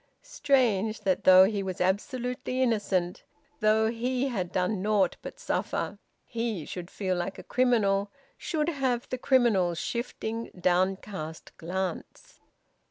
Strange, that though he was absolutely innocent, though he had done nought but suffer, he should feel like a criminal, should have the criminal's shifting downcast glance!